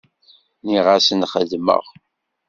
Nniɣ-asen xeddmeɣ.